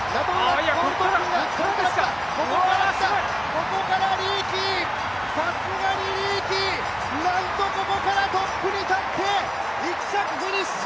ここからリーキー、さすがリーキーなんと、ここからトップに立って、１着フィニッシュ！